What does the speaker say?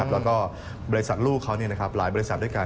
แล้วก็บริษัทลูกเขาหลายบริษัทด้วยกัน